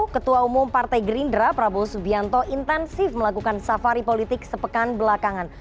ketua umum partai gerindra prabowo subianto intensif melakukan safari politik sepekan belakangan